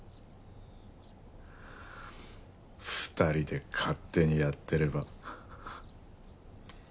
２人で勝手にやってれば。